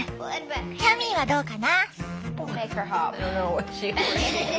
キャミーはどうかな？